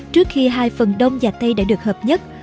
trước khi hai phần đông và tây đã được hợp nhất